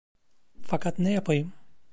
Fakat ne yapayım?